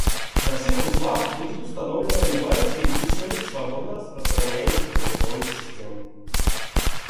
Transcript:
На всех узлах будет установлена любая из перечисленных свободно-распространяемых операционных систем